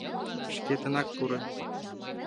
Шкетынак пурем.